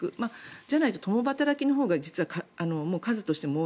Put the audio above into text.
じゃないとと共働きのほうが数としても多い。